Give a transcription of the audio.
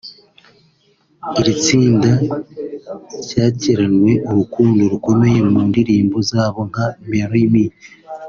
Iri tsinda ryakiranywe urukundo rukomeye mu ndirimbo zabo nka ‘Marry Me’